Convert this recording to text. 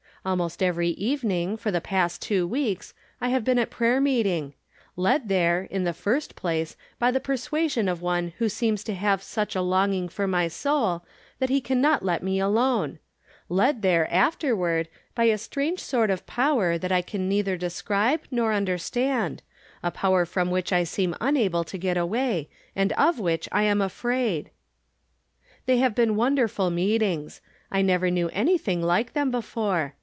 ■Almost every evening, for the past two weeks, I have been at prayer meeting ; led there, in the first place, by the persuasion of one who seems to have such a longing for my soul that he can not let me alone ; led there, afterward, by a strange 250 I'rom Different Standpoints. sort of power, that I can neither describe nor un derstand — a power from which I seem unable to get away, and of which I am afraid. They have been wonderful meetings ; I never knew anything like them before.